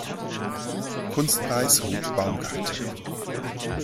Kunstpreis Ruth Baumgarte.